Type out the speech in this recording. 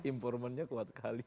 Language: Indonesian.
informannya kuat sekali